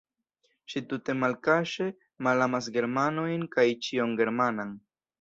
Ŝi tute malkaŝe malamas germanojn kaj ĉion germanan.